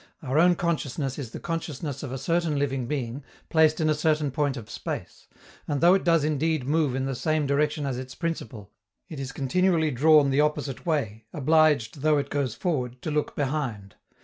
Our own consciousness is the consciousness of a certain living being, placed in a certain point of space; and though it does indeed move in the same direction as its principle, it is continually drawn the opposite way, obliged, though it goes forward, to look behind.